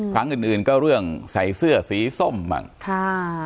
ครั้งอื่นก็เรื่องใส่เสื้อสีส้มบ้าง